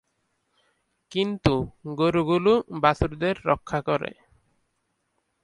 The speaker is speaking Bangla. কিন্তু, গরুগুলো বাছুরদের রক্ষা করে।